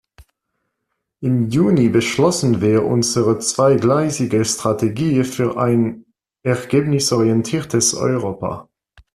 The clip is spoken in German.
Im Juni beschlossen wir unsere zweigleisige Strategie für ein ergebnisorientiertes Europa.